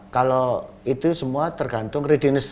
kalau itu semua tergantung